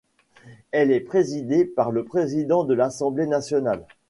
Elle est présidée par le président de l’Assemblée nationale.